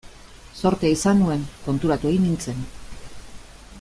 Zortea izan nuen, konturatu egin nintzen.